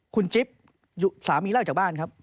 คุณจิ๊บสามีเล่าจากบ้านครับ